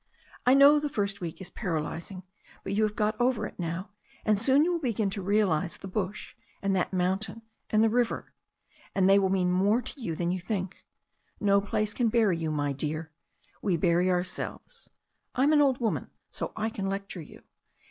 I know the first week is paralyzing, but you have got over it now, and soon you will begm to realize the bush, and that mountain and the river. And they will mean more to you than you think. No place can bury you, my dear. We bury ourselves. I'm an old woman, so I can lecture you.